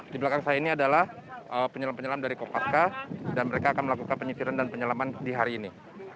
di belakang saya ini adalah penyelam penyelam dari kopaska dan mereka akan melakukan penyisiran dan penyelaman di hari ini